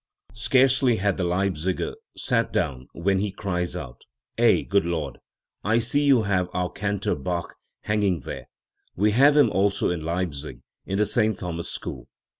Scarcely has the Leipziger sat down when he cries out: 'Eh 1 Good Lord ! I see you have our cantor Bach hanging there ; we have him also in Leipzig, in the St. Thomas school.